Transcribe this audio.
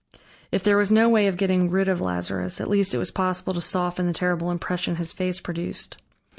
If there was no way of getting rid of Lazarus, at least it was possible to soften the terrible impression his face produced.